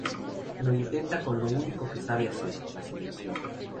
Lo intenta con lo único que sabe hacer: la seducción.